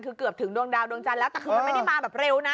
คือเกือบถึงดวงดาวดวงจันทร์แล้วแต่คือมันไม่ได้มาแบบเร็วนะ